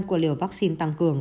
của liều vaccine tăng cường